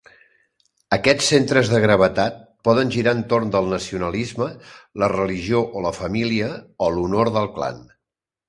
Aquests centres de gravetat poden girar entorn del nacionalisme, la religió o la família, o l'honor del clan.